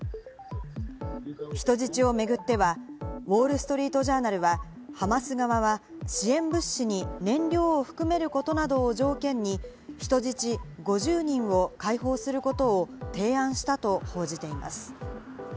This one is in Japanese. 人質を巡っては、ウォール・ストリート・ジャーナルはハマス側が支援物資に燃料を含めることなどを条件に人質５０人を解放することを提案したと報じています。